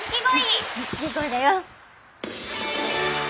錦鯉だよ。